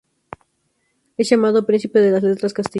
Es llamado "príncipe de las letras castellanas".